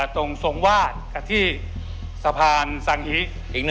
ตรงสงวาดกับที่สะพานสังหี